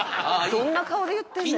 どんな顔で言ってんねん？